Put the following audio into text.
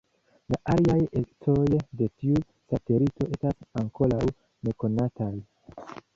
La aliaj ecoj de tiu satelito estas ankoraŭ nekonataj.